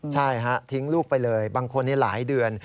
ใช่ฮะทิ้งลูกไปเลยบางคนหลายเดือน